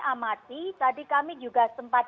amati tadi kami juga sempat